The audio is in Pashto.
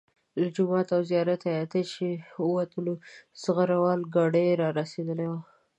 له جومات او زیارت احاطې چې ووتلو زغره وال ګاډي را رسېدلي وو.